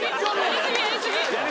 やり過ぎやり過ぎ！